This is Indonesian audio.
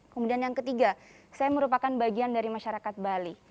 kemudian yang ketiga saya merupakan bagian dari masyarakat bali